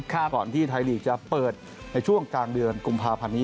ก่อนที่ไทยลีกจะเปิดในช่วงกลางเดือนกุมภาพันธ์นี้